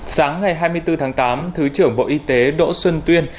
sáng ngày hai mươi bốn tháng tám thứ trưởng bộ y tế đỗ xuân tuyên